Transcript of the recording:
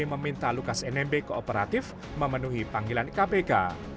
meminta lukas nmb kooperatif memenuhi panggilan kpk